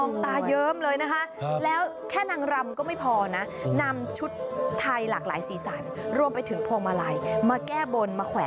ใครรู้เป็นคนอ่างทองป่ะนะ